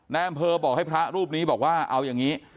นายอำเภอบอกให้พระรูปนี้บอกว่าเอาอย่างนี้